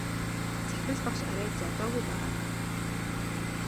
Захирал багш арай зодоогүй байгаа даа.